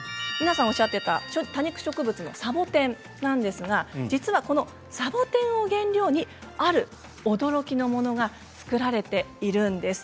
多肉植物のサボテンなんですが実はこのサボテンを原料にある驚きのものが作られているんです。